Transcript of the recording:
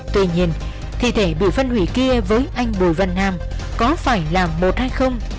tuy nhiên thi thể bị phân hủy kia với anh bùi văn nam có phải là một hay không